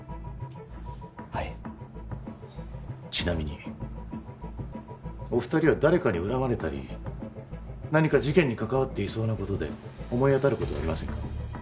はいちなみにお二人は誰かに恨まれたり何か事件に関わっていそうなことで思い当たることはありませんか？